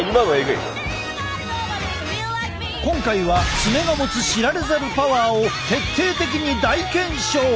今回は爪の持つ知られざるパワーを徹底的に大検証！